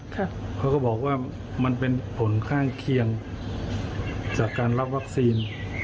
เขาก็บอกว่ามันเป็นผลข้างเคียงจากการรับวัคซีน